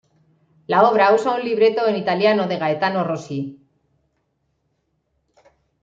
La obra usa un libreto en italiano de Gaetano Rossi.